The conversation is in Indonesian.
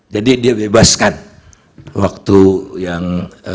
jadi dia dibebaskan waktu yang